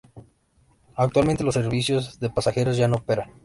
Actualmente los servicios de pasajeros ya no operan.